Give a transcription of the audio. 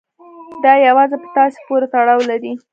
دا يوازې په تاسې پورې تړاو لري.